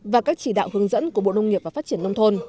và các chỉ đạo hướng dẫn của bộ nông nghiệp và phát triển nông thôn